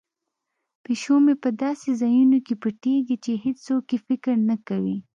پیشو مې په داسې ځایونو کې پټیږي چې هیڅوک یې فکر نه کوي.